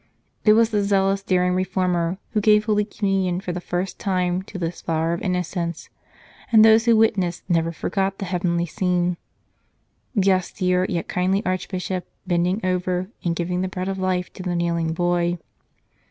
It was the zealous, daring reformer who gave Holy Communion for the first time to this flower of innocence, and those who witnessed never forgot the heavenly scene the austere yet kindly Archbishop, bending over and giving the Bread of Life to the kneeling boy.